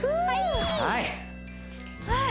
はい！